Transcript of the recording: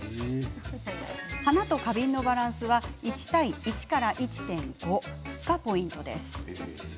花と花瓶のバランスは１対１から１．５がポイントです。